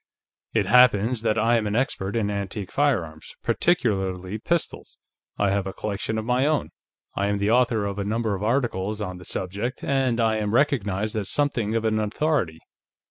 It happens that I am an expert in antique firearms, particularly pistols. I have a collection of my own, I am the author of a number of articles on the subject, and I am recognized as something of an authority.